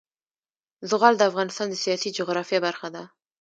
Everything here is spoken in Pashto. زغال د افغانستان د سیاسي جغرافیه برخه ده.